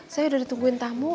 saya udah ditungguin tamu